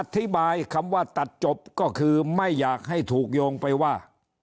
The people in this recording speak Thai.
อธิบายคำว่าตัดจบก็คือไม่อยากให้ถูกโยงไปว่า